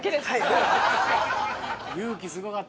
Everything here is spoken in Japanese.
勇気すごかったな。